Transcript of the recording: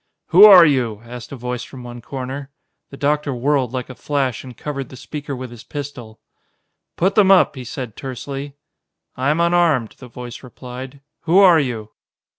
"Who are you?" asked a voice from one corner. The doctor whirled like a flash and covered the speaker with his pistol. "Put them up!" he said tersely. "I am unarmed," the voice replied. "Who are you?"